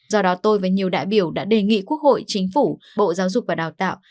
do đó tôi và nhiều đại biểu đã đề nghị quốc hội chính phủ bộ giáo dục và đào tạo